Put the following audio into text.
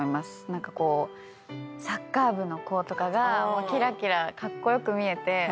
何かこうサッカー部の子とかがきらきらカッコ良く見えて。